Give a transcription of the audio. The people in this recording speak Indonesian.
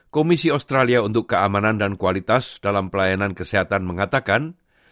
komisi australia untuk keamanan dan kualitas dalam pelayanan kesehatan mengatakan